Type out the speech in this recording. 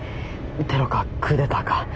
テロかクーデターか。